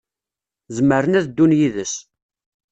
Zemren ad ddun yid-s.